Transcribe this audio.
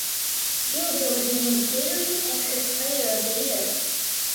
Gilder was named Gatorade Texas Player of the Year.